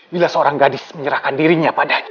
bila seorang gadis menyerahkan dirinya